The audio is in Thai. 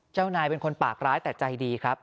เจ้านายเป็นคนปากร้ายแต่ใจดีครับ